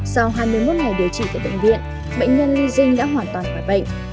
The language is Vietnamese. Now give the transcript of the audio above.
sau hai mươi một ngày điều trị tại bệnh viện bệnh nhân ly dinh đã hoàn toàn khỏi bệnh